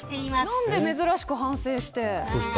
何で、珍しく反省して。